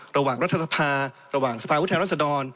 ระหว่างรัฐสภาระหว่างสภาวุทธรรมสดร